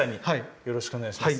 よろしくお願いします。